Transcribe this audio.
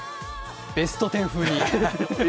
「ベストテン」風に。